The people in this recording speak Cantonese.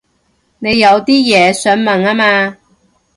你有啲嘢想問吖嘛